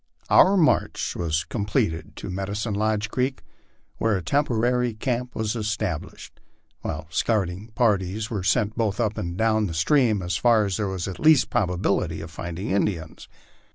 Our inarch was completed to Medicine Lodge creek, where a temporary camp was established, while scouting parties were sent both up and down the stream as far as there was the least probability of finding Indians.